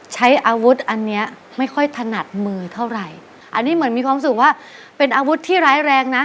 ใช้อาวุธอันเนี้ยไม่ค่อยถนัดมือเท่าไหร่อันนี้เหมือนมีความสุขว่าเป็นอาวุธที่ร้ายแรงนะ